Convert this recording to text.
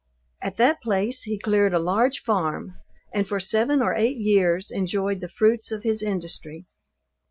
At that place he cleared a large farm, and for seven or eight years enjoyed the fruits of his industry.